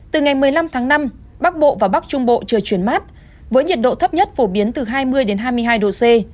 từ ngày một mươi năm tháng năm bắc bộ và bắc trung bộ trời chuyển mát với nhiệt độ thấp nhất phổ biến từ hai mươi hai mươi hai độ c